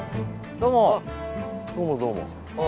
どうもどうも。